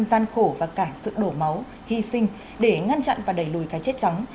gian khổ và cả sự đổ máu hy sinh để ngăn chặn và đẩy lùi cái chết trắng